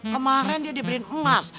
kemaren dia dibeliin emas